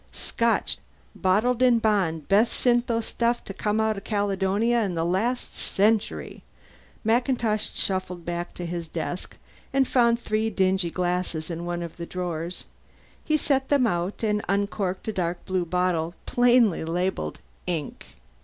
"Scotch! Bottled in bond, best syntho stuff to come out of Caledonia in the last century!" MacIntosh shuffled back behind his desk and found three dingy glasses in one of the drawers; he set them out and uncorked a dark blue bottle plainly labelled INK.